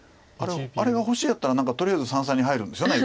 あれが星やったらとりあえず三々に入るんですよね